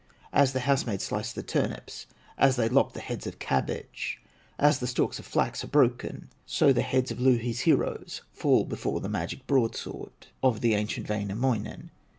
As the house maids slice the turnips, As they lop the heads of cabbage, As the stalks of flax are broken, So the heads of Louhi's heroes Fall before the magic broadsword Of the ancient Wainamoinen.